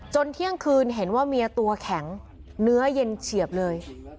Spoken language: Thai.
เที่ยงคืนเห็นว่าเมียตัวแข็งเนื้อเย็นเฉียบเลย